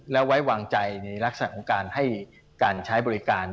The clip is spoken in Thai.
และไว้วางใจในลักษณะของการให้การใช้บริการ